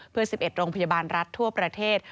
เพื่อ๑๑โรงพยาบาลรัฐทั่วประเทศ